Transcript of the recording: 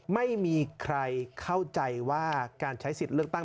ไม่มีใครเข้าใจว่าการใช้สิทธิ์เลือกตั้ง